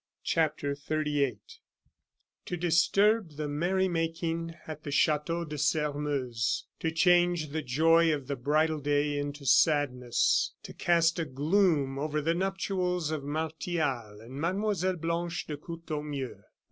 CHAPTER XXXVIII To disturb the merrymaking at the Chateau de Sairmeuse; to change the joy of the bridal day into sadness; to cast a gloom over the nuptials of Martial and Mlle. Blanche de Courtornieu.